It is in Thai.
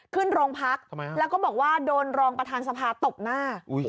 ขึ้นโรงพักแล้วก็บอกว่าโดนรองประธานสภาตบหน้า